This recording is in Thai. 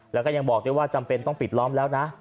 แล้วก็ยังบอกด้วยว่าจำเป็นต้องปิดล้อมแล้วนะ